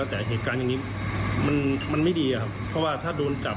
ร่วมการจับกลุ่มวัยรุ่นชาย